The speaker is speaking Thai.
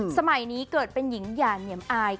สมัยนี้เกิดเป็นหญิงอย่าเหนียมอาย